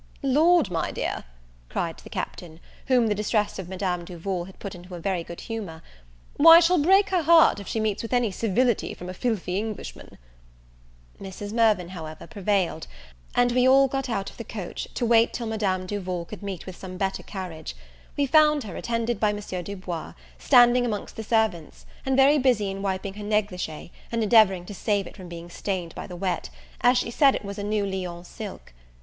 "Lord, my dear," cried the Captain, whom the distress of Madame Duval had put into very good humour, "why, she'll break her heart if she meets with any civility from a filthy Englishman." Mrs. Mirvan, however, prevailed; and we all got out of the coach, to wait till Madame Duval could meet with some better carriage. We found her, attended by Monsieur Du Bois, standing amongst the servants, and very busy in wiping her negligee, and endeavouring to save it from being stained by the wet, as she said it was a new Lyons silk.